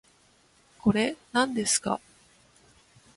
これ、なんですか